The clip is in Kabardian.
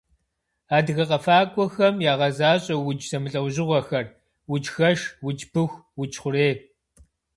Адыгэ къэфакӏуэхэм ягъэзащӏэ удж зэмылӏэужьыгъуэхэр: уджхэш, удж пыху, удж хъурей.